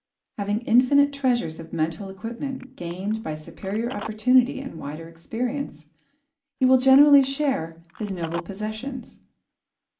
Having infinite treasures of mental equipment, gained by superior opportunity and wider experience, he will generously share his noble possessions.